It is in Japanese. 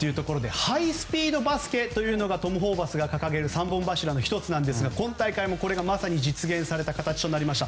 ハイスピードバスケというのがトム・ホーバスが掲げる３本柱の１つですが今大会も、これがまさに実現された形になりました。